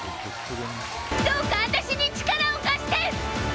どうか私に力を貸して！